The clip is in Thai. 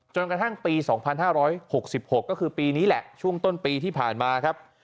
กระทั่งปี๒๕๖๖ก็คือปีนี้แหละช่วงต้นปีที่ผ่านมาครับ